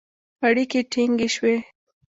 اړیکې ټینګې شوې